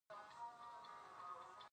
د میرمنو کار د ټولنې پراختیا سبب ګرځي.